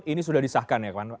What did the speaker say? ini sudah disahkan ya